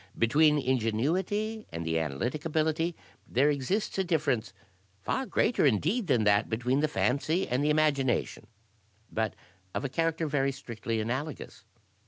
Between ingenuity and the analytic ability there exists a difference far greater, indeed, than that between the fancy and the imagination, but of a character very strictly analogous.